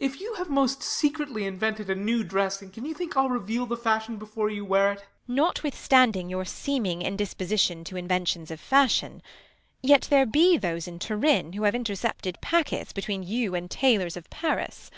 If you have most "Secretly invented A new dressing, can you think I'll reveal The fashion before you wear it 1 Beat. Notwithstanding your seeming indis position To inventions of fashion, yet there be Those in Turin, who have intei'cepted Packets between you and tailors of Paris.